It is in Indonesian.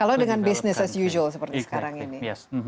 kalau dengan business as usual seperti sekarang ini